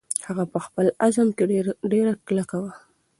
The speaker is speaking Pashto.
هغه په خپل عزم کې ډېره کلکه وه.